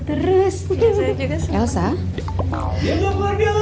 terus juga juga selesa selesa nanti nino kesini kan gue udah